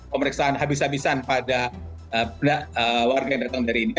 pemeriksaan habis habisan pada warga yang datang dari ini